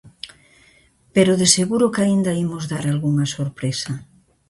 Pero de seguro que aínda imos dar algunha sorpresa.